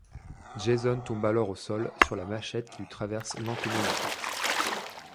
Jason tombe alors au sol sur la machette qui lui traverse lentement la tête.